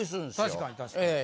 確かに確かに。